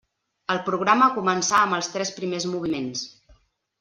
El programa començà amb els tres primers moviments.